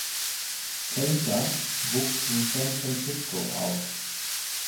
Tainter wuchs in San Francisco auf.